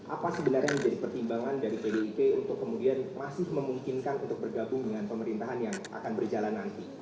apa sebenarnya yang menjadi pertimbangan dari pdip untuk kemudian masih memungkinkan untuk bergabung dengan pemerintahan yang akan berjalan nanti